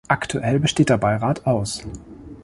Aktuell besteht der Beirat aus